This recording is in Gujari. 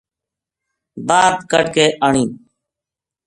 بعد کڈھ کے آنی